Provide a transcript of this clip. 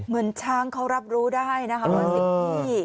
เหมือนช้างเค้ารับรู้ได้นะครับวันที่